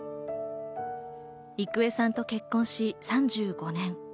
郁恵さんと結婚し３５年。